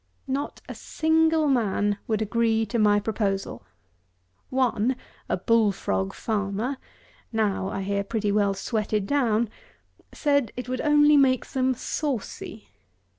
Not a single man would agree to my proposal! One, a bullfrog farmer (now, I hear, pretty well sweated down,) said it would only make them saucy!